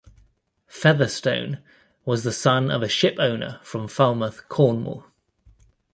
Featherstone was the son of a ship owner from Falmouth, Cornwall.